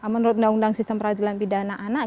menurut undang undang sistem peradilan pidana anak